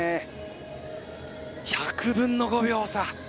１００分の５秒差。